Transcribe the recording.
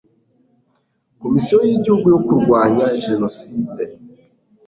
Komisiyo y Igihugu yo Kurwanya Jenoside